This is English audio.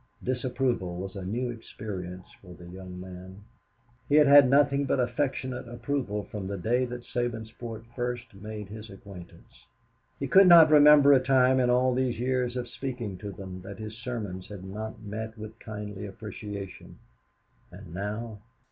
Disapproval was a new experience for the young man. He had had nothing but affectionate approval from the day that Sabinsport first made his acquaintance. He could not remember a time in all these years of speaking to them that his sermons had not met with kindly appreciation, and now?